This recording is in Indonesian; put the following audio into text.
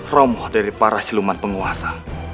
romah dari para siluman penguasa